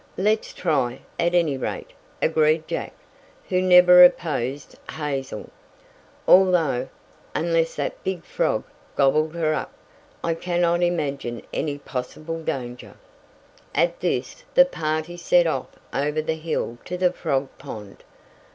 "Let's try, at any rate," agreed Jack, who never opposed Hazel. "Although, unless that big frog gobbled her up, I cannot imagine any possible danger." At this the party set off over the hill to the frog pond.